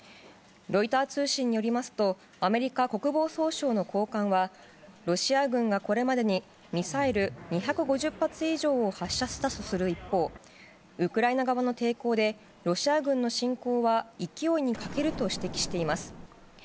ロイター通信によりますとアメリカ国防総省の高官はロシア軍がこれまでにミサイル２５０発以上を発射したとする一方ウクライナ側の抵抗でロシア軍の侵攻は勢いに欠けると指摘しています。